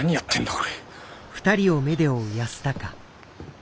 俺。